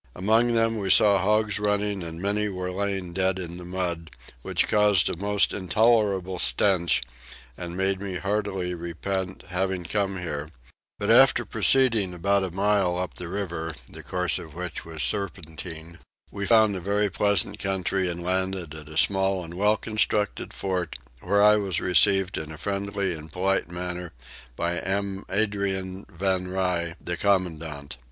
Among them we saw hogs running and many were laying dead in the mud, which caused a most intolerable stench and made me heartily repent having come here; but after proceeding about a mile up the river, the course of which was serpentine, we found a very pleasant country and landed at a small and well constructed fort, where I was received in a friendly and polite manner by M. Adrian van Rye, the commandant.